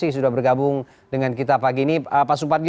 selamat pagi pak suparji